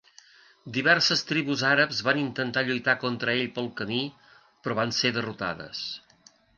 Diverses tribus àrabs van intentar lluitar contra ell pel camí, però van ser derrotades.